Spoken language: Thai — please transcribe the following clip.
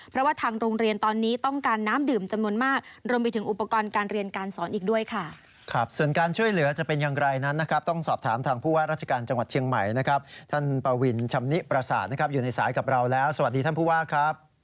ปวินชำนิปราศาสตร์นะครับอยู่ในสายกับเราแล้วสวัสดีท่านผู้ว่าครับ